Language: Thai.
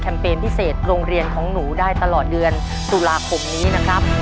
เปญพิเศษโรงเรียนของหนูได้ตลอดเดือนตุลาคมนี้นะครับ